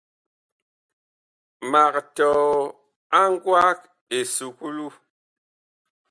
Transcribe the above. Mag tɔɔ a ngwaag esukulu.